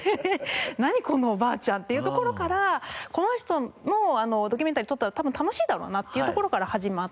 何このおばあちゃんっていうところからこの人のドキュメンタリー撮ったら多分楽しいだろうなっていうところから始まって。